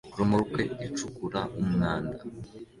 romoruki icukura umwanda